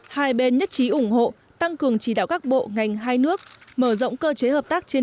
hai bên nhất trí ủng hộ tăng cường chỉ đạo các bộ ngành hai nước mở rộng cơ chế hợp tác trên